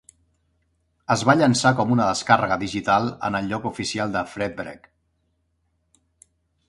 Es va llançar com una descàrrega digital en el lloc oficial de Fredwreck.